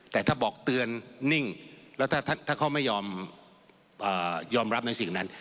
แต่ถ้าบอกเตือนนิ่งแล้วถ้าเขาไม่ยอมรับในสิ่งนั้น